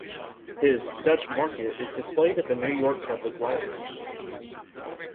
His "Dutch Market" is displayed at the New York Public Library.